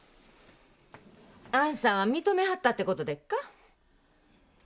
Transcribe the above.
あんさんは認めはったって事でっか？